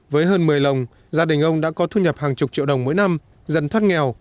với hơn một mươi lồng gia đình ông đã có thu nhập hàng chục triệu đồng mỗi năm dần thoát nghèo